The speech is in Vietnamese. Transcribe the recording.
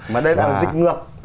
mà đây là dịch ngược